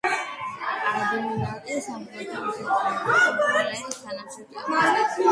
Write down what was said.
ადიუტანტი-სამხედრო ხელმძღვანელის თანაშემწე ოფიცერი